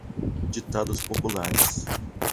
Ditados populares.